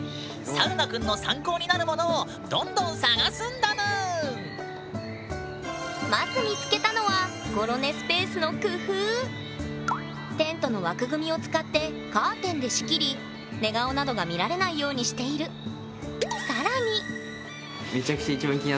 サウナくんの参考になるものをまず見つけたのはテントの枠組みを使ってカーテンで仕切り寝顔などが見られないようにしているえ？